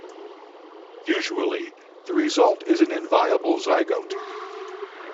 Usually, the result is an inviable zygote.